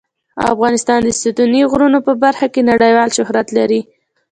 افغانستان د ستوني غرونه په برخه کې نړیوال شهرت لري.